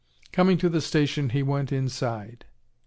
Coming to the station, he went inside.